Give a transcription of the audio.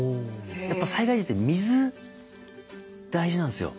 やっぱ災害時って水大事なんですよ。